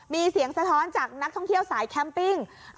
มีเสียงสะท้อนจากนักท่องเที่ยวสายแคมปิ้ง